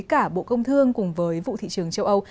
cả bộ công thương cùng với vụ thị trường châu âu